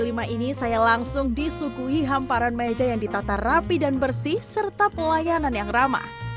kali ini saya langsung disukui hamparan meja yang ditata rapi dan bersih serta pelayanan yang ramah